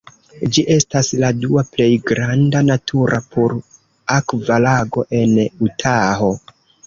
Ĝi estas la dua plej granda natura pur-akva lago en Utaho.